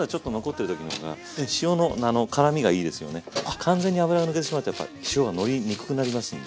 完全に油が抜けてしまうとやっぱ塩がのりにくくなりますんで。